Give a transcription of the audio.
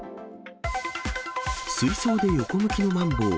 水槽で横向きのマンボウ。